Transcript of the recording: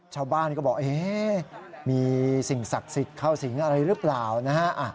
ชาวบ้านก็บอกมีสิ่งศักดิ์สิทธิ์เข้าสิงอะไรหรือเปล่านะฮะ